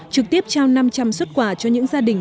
trực tiếp trao năm trăm linh xuất quà cho những gia đình